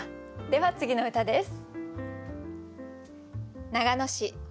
では次の歌です。